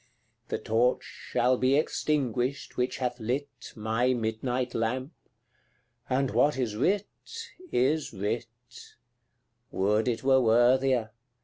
The torch shall be extinguished which hath lit My midnight lamp and what is writ, is writ Would it were worthier!